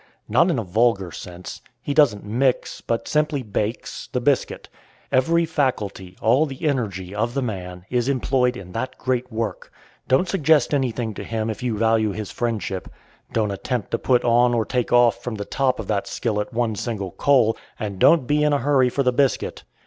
Not in a vulgar sense. He doesn't mix, but simply bakes, the biscuit. Every faculty, all the energy, of the man is employed in that great work. Don't suggest anything to him if you value his friendship. Don't attempt to put on or take off from the top of that skillet one single coal, and don't be in a hurry for the biscuit.